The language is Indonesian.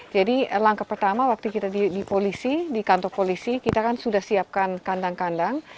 jadi langkah pertama waktu kita di polisi di kantor polisi kita kan sudah siapkan kandang kandang